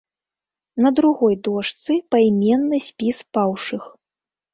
На другой дошцы пайменны спіс паўшых.